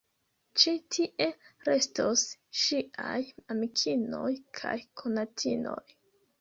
Ĉi tie restos ŝiaj amikinoj kaj konatinoj.